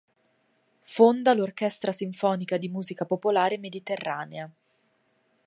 Fonda l'Orchestra Sinfonica di Musica Popolare Mediterranea.